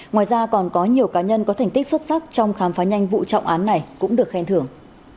ngoài ra còn có nhiều cá nhân có thành tích xuất sắc trong khám phá nhanh vụ trọng án này cũng được khen thưởng